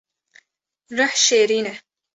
Rih şêrîn e